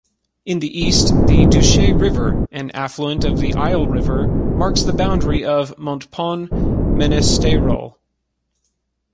In the East, the Duche River, an affluent of the Isle River, marks the boundary of Montpon-Ménestérol.